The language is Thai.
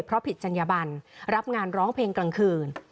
เพราะผิดจัญญบันรับงานร้องเพลงกลางคืน